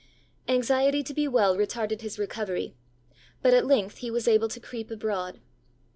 Anxiety to be well retarded his recovery; but at length he was able to creep abroad.